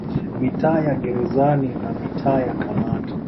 Mitaa ya Gerezani na mitaa ya Kamata